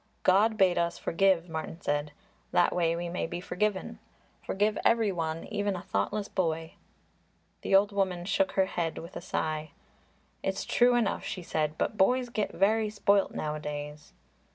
"God bade us forgive," Martin said, "that we may be forgiven. Forgive every one, even a thoughtless boy." The old woman shook her head with a sigh. "It's true enough," she said, "but boys get very spoilt nowadays."